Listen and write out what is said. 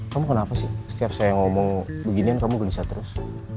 kamu kenapa sih setiap saya ngomong beginian kamu gelisah terus